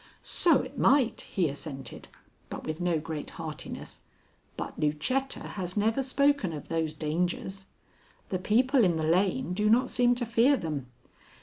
"So it might," he assented, but with no great heartiness. "But Lucetta has never spoken of those dangers. The people in the lane do not seem to fear them.